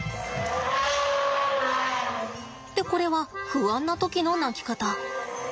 でこれは不安な時の鳴き方。